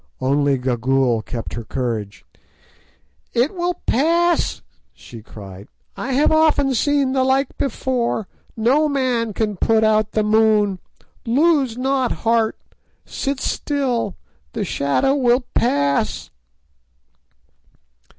Only Gagool kept her courage. "It will pass," she cried; "I have often seen the like before; no man can put out the moon; lose not heart; sit still—the shadow will pass."